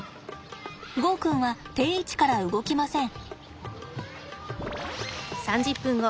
ゴーくんは定位置から動きません。